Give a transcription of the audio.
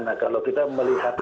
nah kalau kita melihat